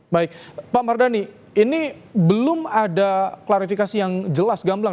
baik pak mardhani ini belum ada klarifikasi yang jelas gamblang